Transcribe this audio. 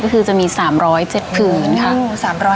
ก็คือจะมี๓๐๗ผืนค่ะ